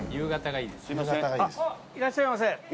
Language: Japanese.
はいいらっしゃいませ。